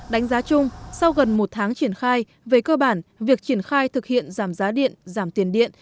đánh giá chung sau gần một tháng triển khai về cơ bản việc triển khai thực hiện giảm giá điện giảm tiền điện